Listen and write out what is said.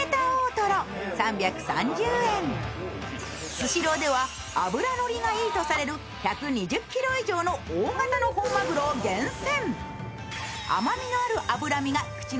スシローでは脂乗りがいいとされる１２０ｋｇ以上の大型の本マグロを厳選。